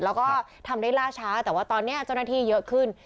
แล้วก็ทำได้ล่าช้าแต่ว่าตอนนี้เจ้าหน้าที่เยอะขึ้น